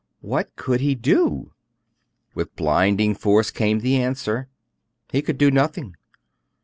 What could he do? With blinding force came the answer: he could do nothing.